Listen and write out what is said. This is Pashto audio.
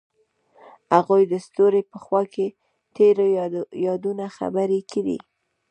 هغوی د ستوري په خوا کې تیرو یادونو خبرې کړې.